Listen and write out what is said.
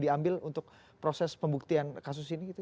diambil untuk proses pembuktian kasus ini gitu